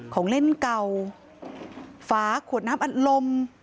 ของเล่นเก่าฝาขวดน้ำอัดลม